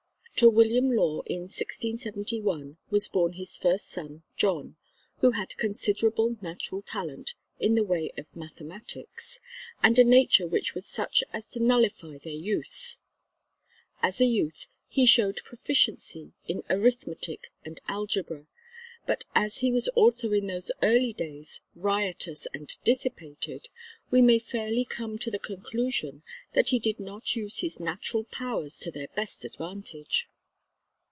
To William Law in 1671 was born his first son John, who had considerable natural talent in the way of mathematics and a nature which was such as to nullify their use. As a youth he showed proficiency in arithmetic and algebra, but as he was also in those early days riotous and dissipated, we may fairly come to the conclusion that he did not use his natural powers to their best advantage.